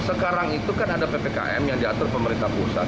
sekarang itu kan ada ppkm yang diatur pemerintah pusat